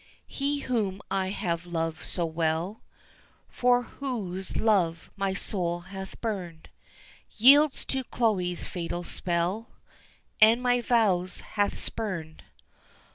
He whom I have loved so well For whose love my soul hath burned, Yields to Chloe's fatal spell And my vows hath spurned.